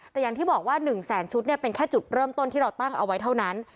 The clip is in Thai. แต่อย่างที่บอกว่า๑แสนชุดเป็นแค่จุดเริ่มต้นที่เราตั้งเอาไว้เท่านั้น